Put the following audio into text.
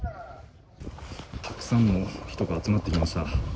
たくさんの人が集まってきました。